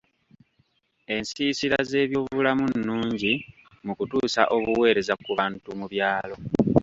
Ensiisira z'ebyobulamu nungi mu kutuusa obuweereza ku bantu mu byalo.